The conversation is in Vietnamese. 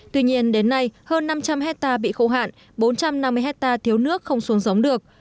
tuy nhiên đến nay hơn năm trăm linh hecta bị khẩu hạn bốn trăm năm mươi hecta thiếu nước không xuống giống được